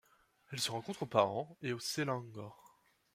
Elle se rencontre au Pahang et au Selangor.